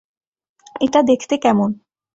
এটা দেখতে কেমন?